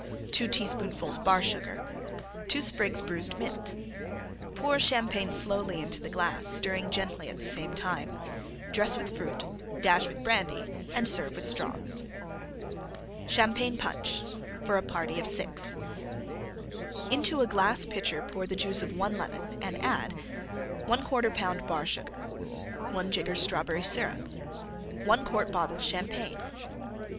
2 teaspoonfuls Bar Sugar. 2 sprigs bruised Mint. Pour Champagne slowly into the glass, stirring gently at the same time. Dress with fruit; dash with Brandy and serve with Straws. CHAMPAGNE PUNCH (for a party of 6) Into a glass Pitcher pour the Juice of 1 Lemon, and add: 1/4 lb. Bar Sugar. 1 jigger Strawberry Syrup. 1 quart bottle Champagne.